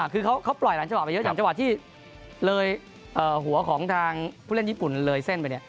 คือเขาปล่อยหลายจังหวะไปเยอะอย่างจังหวะที่เลยหัวของทางผู้เล่นญี่ปุ่นเลยเส้นไปเนี่ย